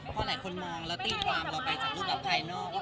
พอหลายคนมองแล้วตีความเราไปจากรูปแบบภายนอก